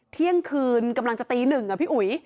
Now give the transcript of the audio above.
เที่ยงคืนกำลังจะตีหนึ่งอ่ะพี่อุ๋ย